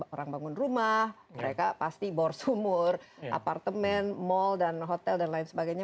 orang bangun rumah mereka pasti bor sumur apartemen mal dan hotel dan lain sebagainya